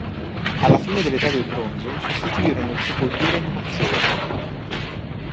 Alla fine dell'età del bronzo, sostituirono le sepolture a inumazione.